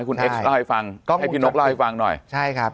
คุณเอ็กซ์เล่าให้ฟังก็ให้พี่นกเล่าให้ฟังหน่อยใช่ครับ